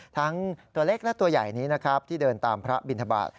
ทั้งตัวเล็กและตัวใหญ่นี้นะครับที่เดินตามพระบินทบาท